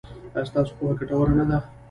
ایا ستاسو پوهه ګټوره نه ده؟